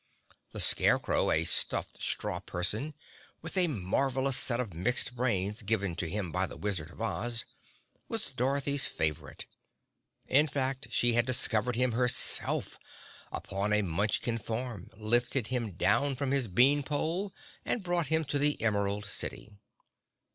The Scarecrow, a stuffed straw person, with a marvelous set of mixed brains given to him by the Wizard of Oz, was Dorothy's favorite. In fact she had discovered him herself upon a Munchkin farm, lifted him down from his bean pole and brought him to the Emerald City.